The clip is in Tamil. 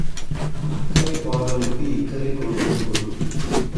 அக்கரைப் பாகலுக்கு இக்கரைக் கொழுகொம்பு.